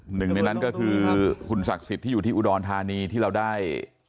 หนึ่งในนั้นก็คือคุณศักดิ์สิทธิ์ที่อยู่ที่อุดรธานีที่เราได้